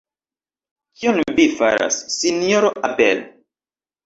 Kion Vi faras, Sinjoro Abel?